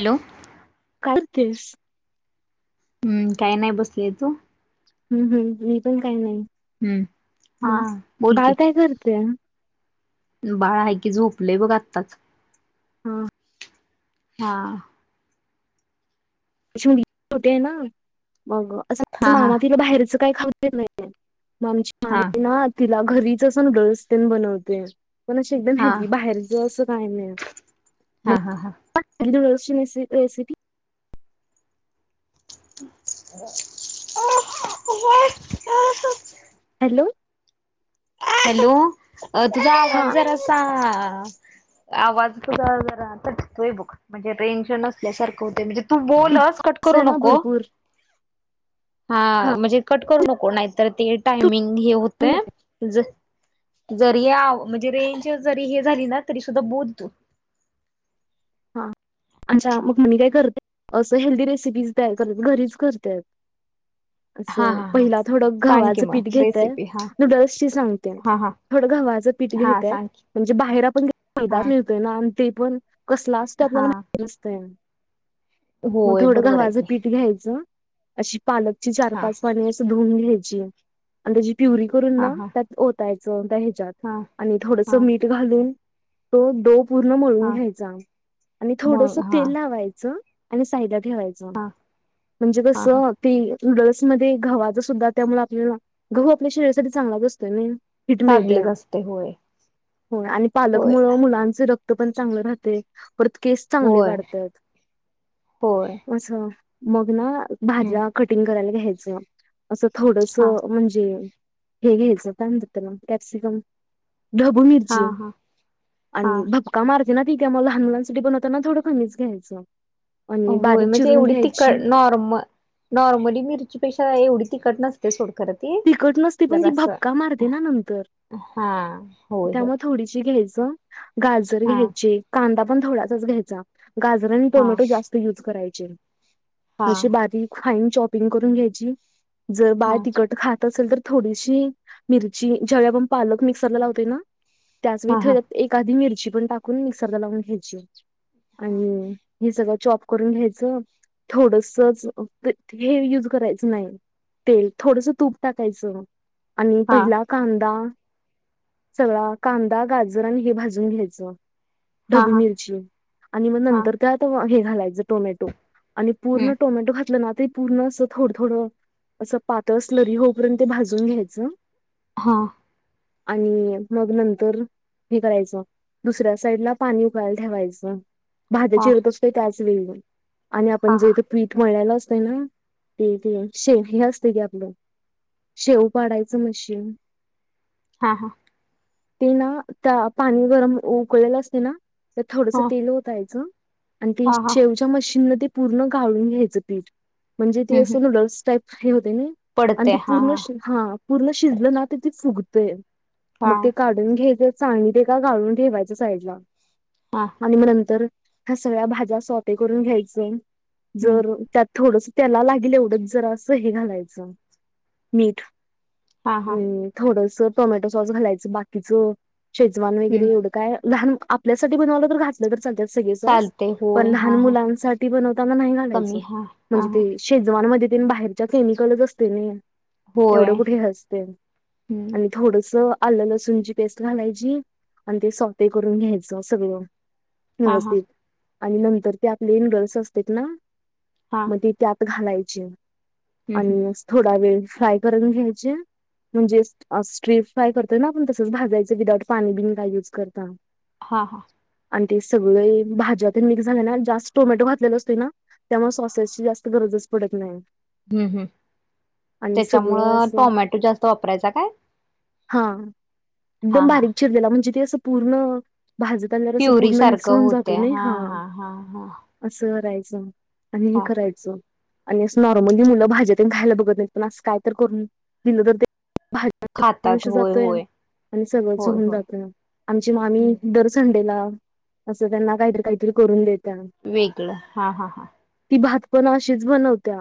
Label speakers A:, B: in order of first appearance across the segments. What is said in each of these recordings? A: Hello.
B: काय करतेस?
A: हम्म काही नाही बसली. तू?
B: हम्म हम्म. मी पण काही नाही.
A: हम्म हा
B: मग?
A: बोल
B: बाळ काय करतय?
A: बाळा आहे की झोपलेय बघ आत्ताच.
B: ह.
A: हा.
B: अ मु होतेय ना. मग असं
A: हा हा
B: मामा तिला बाहेरच काय खाऊ नाही. मग आमची
A: हा
B: मामी ना तिला घरीच नूडल्स तेन बनवते. पण अशी एकदम
A: हा
B: हेल्दी. बाहेरच असं काय नाही. मग
A: हा हा हा.
B: [unintelligible] रेसिपी.
A: [inaudible]
B: हॅलो.
A: हॅलो तुझा
B: हा
A: आवाज जरासा आवाज तुझा जरा कटतोय बघ. म्हणजे रेंज नसल्यासारखं होतय. म्हणजे तू बोलच. कट
B: असं
A: करू
B: आहे ना
A: नको.
B: भरपूर
A: हा म्हणजे कट करू नको. नाही तर ते टायमिंग हे
B: बोल ना.
A: होतय. ज जरी या आव म्हणजे रेंज जरी हे झाली ना, तरी सुद्धा बोल तू.
B: आमच्या मामी काय करते. असं हेल्दी रेसिपीज तयार करत घरीच करतेत.
A: हा
B: असं
A: हा हा
B: पहिल थोडं
A: सांग की
B: गव्हाचं पीठ
A: मग
B: घेतय.
A: रेसिपी हा
B: नूडल्स ची सांगते.
A: हा हा
B: थोडं गव्हाचं पीठ
A: हा
B: घेतात.
A: सांग की
B: म्हणजे बाहेर आपण घेतो
A: हा
B: मैदा. आण ते पण कसला असतय
A: हा
B: आपल्याला माहित नसतय. म
A: होय
B: थोडं
A: बरोबर आहे
B: गव्हाचं
A: की
B: पीठ घ्यायचं. अशी पालकची चार
A: हा
B: पाच पाणी अस धुन घ्यायची. आणि त्याची प्युरी करून
A: हा
B: ना,
A: हा
B: त्यात ओतायचं द हच्यात.
A: हा
B: आणि थोडस
A: हा
B: मीठ घालून तो दोप पूर्ण मोळून
A: हा
B: घ्यायचा. आणि थोडस
A: मग हा
B: तेल लावायचं. आणि साईडला ठेवायचं.
A: हा
B: म्हणजे
A: हा हा
B: कसं? ते नूडल्स मध्ये गव्हाचा सुद्धा त्यामुळे आपल्याला, गहू आपल्या शरीरासाठी चांगलाच असतोय नई. हिट मिळते
A: चांगलंच
B: या.
A: असते होय
B: हो. आणि पालक
A: होय
B: मुळ मुलांच रक पण चांगलं राहते. परत केस चांगले
A: होय
B: वाढतात.
A: होय
B: असं. मग ना,
A: हम्म
B: भाज्या कटिंग करायला घ्यायचं. असं थोडस
A: हा
B: म्हणजे हे घ्यायचं. काय म्हणतात त्याला? टॅक्सीकम ढबू
A: हा
B: मिरची.
A: हा हा
B: आणि भपका मारते ना ती, त्या मुळ लहान मुला ते बनवताना थोडं कमीच घ्यायचं. आणि
A: होय
B: बारीक
A: म्हणजे
B: चिरून
A: एवढी
B: घ्यायची
A: तिखट नॉर्म नॉर्मली मिरचीपेक्षा एवढी तिखट नस
B: तिकट नसते पण ती भपका मारते ना नंतर.
A: हा होय होय
B: त्यामुळं थोडीशी घ्यायचं. गाजर
A: हा
B: घ्यायचे कांदा पण थोडासाच घ्यायचा गाजर आणि
A: हा
B: टोमॅटो जास्त, यूज करायचे
A: हा
B: अशी बारीक फाईन चॉपिंग करून घ्यायची. जर
A: हा
B: बाळ तिकट खात असेल तर थोडीशी मिरची ज्या वेळी आपण पालक मिक्सरला लावतोय ना. त्याच
A: हा
B: वेळी
A: हा
B: थेयात एआधी मिरची पण टाकून मिक्सरला लावून घ्यायची आणि. हे सगळं चॉप करून घ्यायचं हे युज करायचं नाही. तेल थोडस तूप टाकायचं आणि
A: हा
B: पहिला, कांदा सगळा कांदा गाजर आणि हे भाजून घ्यायचं.
A: हा
B: ढबू
A: हा
B: मिरची आणि मग
A: हा
B: नंतर त्या हे घालायचं टोमॅटो आणि, पूर्ण
A: हम्म
B: टोमॅटो घातलं ना ते पूर्ण थोडं थोडं अस पातल, लरी होऊपर्यंत ते भाजून घ्यायचं.
A: हां.
B: आणि मग नंतर, हे करायचं दुसऱ्या साईड ला पाणी उकळायला ठेवायचं. भाज्या
A: हा
B: चिरत असतोय त्याच वेळीवर आणि
A: हा
B: आपण
A: हा
B: जे ते पीठ मळल्याल असतंय ना ते ते शे हे असते की आपलं. शेव पाडायचं मशीन?
A: हा हा.
B: ते ना त्या पाणी गरम उकळलेलं असते ना. तर थोडस
A: हा
B: तेल होतायच आणि ती
A: हा हा
B: शेव च्या मशीन म पूर्ण गाळून घ्यायचं पीठ म्हणजे ते
A: हम्म हम्म
B: असं नूडल्स टाइप हे होतंय ने. आणि
A: पडते
B: ते
A: हा
B: पूर्ण हा पूर्ण शिजलं ना तर ती फुगतय मग
A: हा
B: ते काढ ढून घ्यायचे चाळणीत एका का गाळून ठेवायचं साईडला.
A: हा.
B: आणि मग नंतर ह्या सगळ्या भाज्या सोप्ये करून घ्यायचे
A: हम्म
B: जर त्यात थोडंस त्याला लागेल एवढंच जरासं हे घालायचं. मीठ
A: हा हा
B: आणि थोडस टोमॅटो सॉस घालायचं बाकीचं. शेजवान
A: हम्म
B: वगैरे एवढं काय लहान आपल्यासाठी बनवालं तर घ तले तर चालत्यात सगळे साॅस
A: चालते
B: पण
A: होय
B: लहान
A: हा हा
B: मुलांसाठी बनताना नाही घालायच
A: कमी हा हा
B: म्हणजे ते
A: हा
B: शेजवाांमध्ये तेण बाहेरच्या केमिकलच असतंय ना.
A: होय
B: एवढं कुठं हे असतंय
A: हम्म
B: आणि थोडस आलं लसूणची पेस्ट घालायची. आणि ते सोफे करून घ्यायचं सगळं.
A: हा हा
B: व्यवस्थित आणि नंतर ते आपले नूडल्स असतेत ना?
A: हां.
B: मग ते त्यात घालायचे
A: हम्म
B: आणि थोडा वेळ फ्राय करून घ्यायचे. म्हणजे स्ट्री फ्राय करतोय ना आपण तसंच भाजायचं विदाऊट पाणी बिनी काय युज करता.
A: हा हा.
B: आणि ते सगळे भाज्यातून मिक्स झाले ना जास्त टोमॅटो घातलेला असतोय ना. त्यामुळं सॉसेसची जास्त गरजच पडत नाही.
A: हम्म हम्म
B: आणि सगळं
A: त्याच्यामुळं
B: असं
A: टोमॅटो जास्त वापरायचा काय?
B: हा
A: हा
B: एकदम
A: हा
B: बारीक चिरलेला म्हणजे ते असं पूर्ण भाजत आल्यावर असं
A: प्युरी
B: पूर्ण मिक्स
A: सारखं
B: होऊन
A: होते
B: जातोय ने हा.
A: हा हा
B: असं करायचं आणि हे
A: हा
B: करायचं आणि असं नॉर्मली मुलं भाज्यातेन खायला बघत नाहीत ना, पण काय तर करून दिलं तर ते भाडनाचा
A: खातात
B: विषय
A: होय
B: जातोय
A: होय
B: आणि सगळंच
A: होय
B: होऊन
A: होय
B: जात आमची मामी दर संडेला असं त्यांना काहीतरी काहीतरी करून देतीया
A: वेगळं हा हा हा
B: ती भात पण अशीच बनवत्या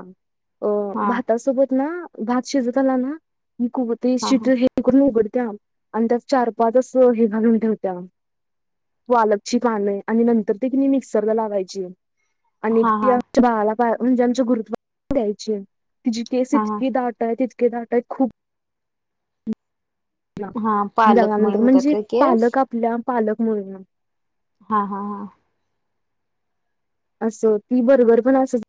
B: अ
A: हा
B: भातासोबत ना भात शिजत आला ना खूप ते
A: हा हा
B: हे तिकून उघडत्या आणि त्यात चार पाच हे घालून ठेवल्या वालकची कानं आणि नंतर ते कि मिक्सरला लावायची आणि
A: हा
B: ती
A: हा
B: आमच्या बाळाला पा म्हणजे आमचे गुरुत्व द्यायची तिची केस
A: हा हा
B: ईतके दाट आहे ईतके दाट आहे खुप
A: हा पालकमुळे
B: जगानंतर
A: होतात
B: म्हणजे
A: का केस
B: पालक आपल्या पालक म्हनुन
A: हा हा हा
B: असं ती बरोबर पण असेल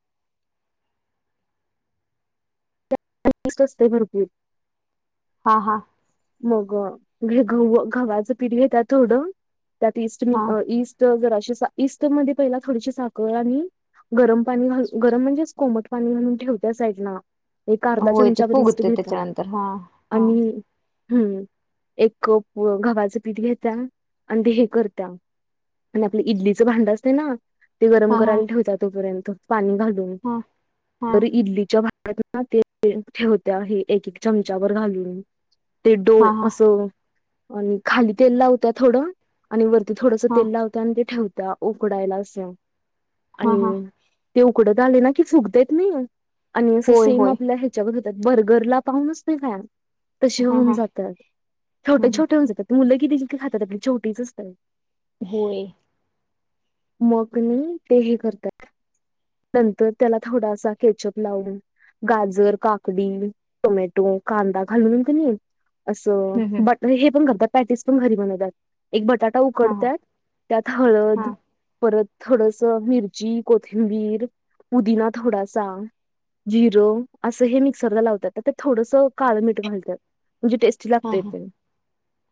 B: प्रॅक्टिस असतय भरपुर
A: हा हा
B: मग गव गव्हाच पिट घेत्या थोडं त्यात ईस्ट म
A: हा
B: ईस्ट जरजराशी ईस्ट मध्ये पहिला थोडीशी साखर आणि गरम पाणी घाल गरम म्हणजेच कोमट पाणी घालून ठेवत्या साईडला एक अर्धा
A: होय ते
B: चमचा बिस्ट
A: फुगते
B: घेता
A: त्याच्यानंतर हा हा
B: आणि हम्म एक घ घव्हाचं पीठ घेत्या आणि ते हे करतीया आणि आपल इडलीच भांड असते ना ते गरम
A: हा हा
B: करायला ठेवता तोपर्यंत पाणी घालून
A: हा हा
B: बर इडलीच्या भाड्यात ना ते ठेवत्या हे एक चमचाबर घालून ते डो
A: हा हा
B: असं आणि खाली तेल लावत्या थोडं आणि वरती थोडस
A: हा
B: तेल लावता आणि ते ठेवता उकडावायला अस
A: हा हा
B: आणि ते उकडत आले ना की चुकतेत नाही आणि असं
A: होय
B: सेम
A: होय
B: आपल्या बर्गरला पाहूनच नाही फ त
A: हा
B: होऊन
A: हा
B: जातात छटे
A: हम्
B: छोटे होऊन ज मुलं किती जे खातात आपले छोटीच असतात
A: होय
B: मग कणी तेहे करतात नंतर त्याला थोडासा केचअप लाऊन गाजर काकडी टोमॅटो कांदा घालून कणी असं
A: हम् हम
B: बटर हे पण करतात पॅटीस पण घरी बनवतात एक बटाटा
A: हा
B: उकडतात त्यात हळद
A: हा
B: परत थोडस मिरची कोथिंबीर पुदिना थोडासा जिर असं हे मिक्सरला लावतात ते थोडस काळ मिठ घालतात म्हणजे टेस्ट
A: हा हा
B: लागतो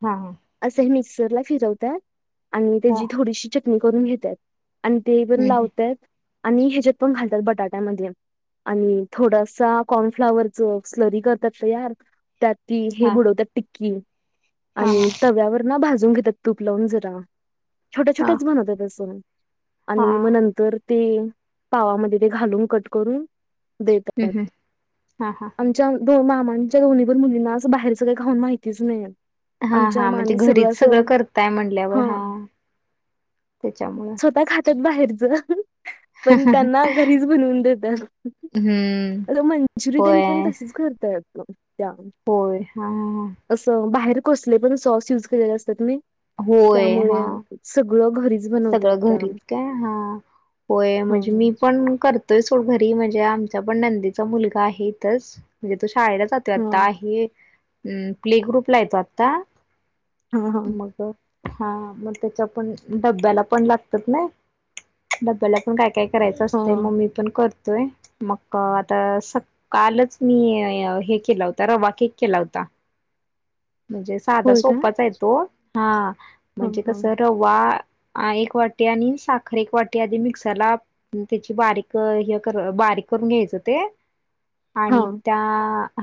A: हा हा हा
B: असं मिक्सरला फिरवतात आणि त्याची थोडीशी चटणी करून घेतात आणि ते पण
A: हम्म
B: लावत्यात आणि याच्यात पण घालतात बटाट्यामध्ये आणि थोडासा कॉर्नफ्लावरच स्लरी करतात तयार त्यात ती हे
A: हा
B: बुडवतात टिक्की
A: हा हा
B: आणि तव्यावर ना भाजून घेतात तूप लावून जरा छोट्या छोट्याच बनवत तसं आणि
A: हा
B: मग नंतर ते पावामध्ये ते घालून कट करून देत
A: हम्म हम्म हा हा
B: आमच्या मामांच्या घवनीभर मुलींना असं बाहेरचं काही खाऊन माहितीच नाहीये
A: हा हा म्हणजे घरीच सगळं करताय म्हणल्यावर हा, त्याच्यामुळं
B: त्यात बाहेरच [inaudible] पण त्यांना घरीच बनवून देतात.
A: हम्म
B: आता मंजुरी ते न
A: होय
B: पण तसच करत्यात, त्या
A: होय, ह ह ह
B: असं बाहेर कसले पण सॉस युज केलेले असतात नाही.
A: होय हा
B: त्यामुळे सगळं घरी
A: सगळं घरीच काय हा होय
B: हा
A: म्हणजे मी पण करत इथेच ओ घरी म्हणजे आमच्या पण नंदीचा मुलगा आहे इथंच म्हणजे तो शाळेला जो [unintelligible]
B: हा
A: आता हे अ प्ले ग्रुपला येतो आता
B: हा हा
A: मग हा मग त्याच्या पण डब्याला पण लागतात ना डब्याला [inaudible] पण काय- काय करायच असतय
B: हा
A: मग मी पण करतोय. मग आता कालच मी हे केला होता रवा केक केला होता. म्हणजे साधा
B: होय का
A: सोपाचा आहे तो हा
B: हा
A: म्हणजे
B: हा
A: कस रवा वा एक वाटी आणि साखर एक वाटी आधी मिक्सरला त्याची बारीक हे बारीक करून घ्यायचं करून घ्यायचं ते
B: हा
A: आणि त्या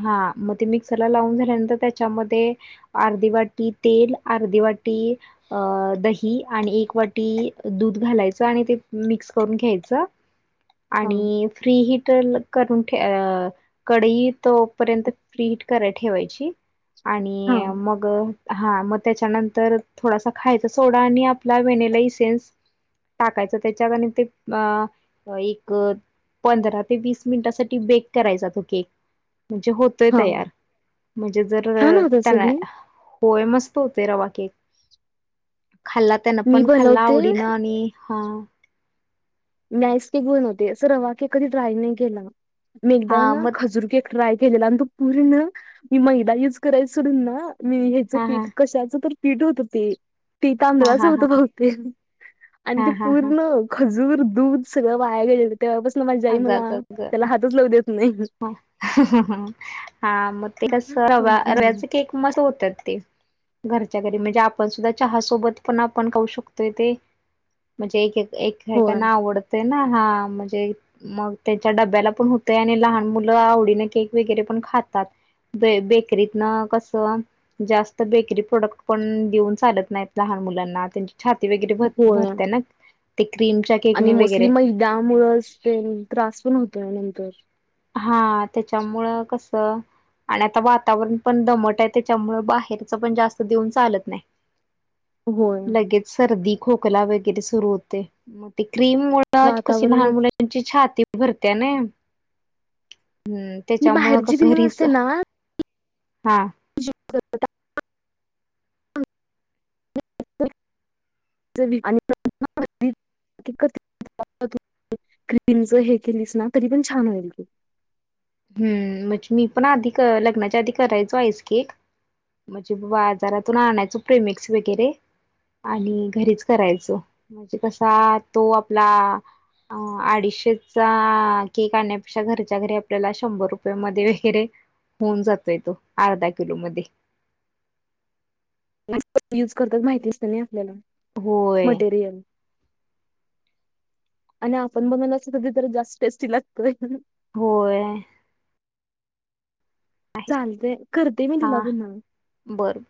A: हा मग ते मिक्सरला लावून झाल्यानंतर त्याच्यामध्ये ते अर्धी वाटी तेल, अर्धी वाटी अ दही आणि एक वाटी दूध घालायचं आणि ते मिक्स करून घ्यायचं. [inaudible]
B: [unintelligible]
A: आणि फ्री हटर [unintelligible] करून ठे- कढई तोपर्यंत फ्री हीट करायला ठेवायची.
B: हा
A: आणि मग हा मग त्याच्यानंतर थोडासा खायचा सोडा आणि आपला वनेला इसेनस टाकायचं त्यांच्यात ते अ एक पंधरा ते वीस मिनिटासाठी बेक करायचा म्हणजे तो केक म्हणजे होतोय
B: हा
A: तयार म्हणजे जर
B: छान होत असेल नाही
A: करायला. होय मस्त होतोय, रवा केक खाल्ला त्यांना
B: मी
A: पण खाल्ला
B: बनवते
A: आवडीन आणि हा
B: मी आईस केक बनवते. अस रवा के कधी ड्राय नाही केला मी एकदा
A: हा
B: ना
A: मग
B: खजूर केक ट्राय केलेला आणि तो पूर्ण मी मैदा युज करायचं सडून ना हेचं
A: हा हा
B: पीठ कशाचं तरी पीठ होतं ते ते
A: हा
B: तांदळाचं
A: हा
B: होत
A: हा
B: बहुतेक आणि
A: हा
B: ते
A: हा हा
B: पूर्ण खजूर दूध सगळं वाया गेलेलं तेव्हा पासून
A: अगं- अगं
B: नाही
A: -अगं [inaudible] हा मग ते कस रवा्या
B: झालेली
A: रव्याचे केक मस्त होतात ते घरच्या घरी म्हणजे आपण सुद्धा चहासोबत पण आपण खऊ शकतोय ते. म्हणजे एक
B: होय
A: एकाना आवडते ना हा म्हणजे मग त्याच्या डब्याला पण होतंय आणि लहान मुलं आवडीने केक वगैरे पण खातात. ब बेकरीत न कसं जास्त बेकरी प्रोडक्ट पण देऊन चालत नाहीत. लहान मुलांना त्यां छाती वगैरे भर
B: होय
A: भरतेय ना ते क्रीमच्या
B: आणि
A: केकने
B: मोस्ली
A: वगैरे
B: मदामुळच ते त्रास होतो [unintelligible]
A: हा त्याच्यामुळं कस आणि आता वातावरण पण दमट आहे. त्याच्यामुळे बाहेरच पण जास्त देऊन चालत नाही.
B: होय
A: लगेच सर्दी, खोकला वगैरे सुरू होतय म ते क्रीममुळे त्यात कशी लहान
B: वातावरणच
A: मुलांची छाती भरत्या नय हम्म,
B: ही
A: त्याच्यामुळं
B: बाहेरची
A: कस
B: क्रीम
A: घरीच,
B: असते ना
A: हा
B: [unintelligible] आणि [inaudible] [inaudible] क्रीमच हे केलीस ना तरी पण छान होईल ते.
A: हम्म, म्हजे मी पण आधी कर लग्नाच्या आधी करायचो आईस केक म्हणजे बाजारातून आणायचो प्रिमिक्स वगैरे आणि घरीच करायचो, म्हणजे कसा तो आपला अ अडीचशेचा केक आणण्यापेक्षा घरच्या घरी आपल्याला शंभर रुपयामध्ये वगैरे होऊन जातोय तो अर्धा किलो मध्ये.
B: युज करतात माहिती असतय ना आपल्याला
A: होय
B: मटेरियल आणि आपण बनवलेल अस कधीतरी जास्त टेस्टी लागतोय.
A: होय
B: चालतय करते मी तुला पुन्हा.
A: बर बर